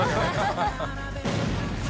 ハハハ